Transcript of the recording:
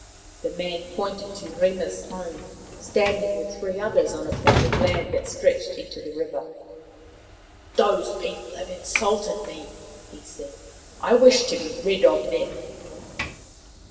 The man pointed to Rima's home, standing with three others on a point of land that stretched into the river. " Those people have insulted me," he said. " I wish to be rid of them."